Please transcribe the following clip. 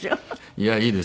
いやいいですよ。